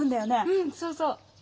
・うんそうそう。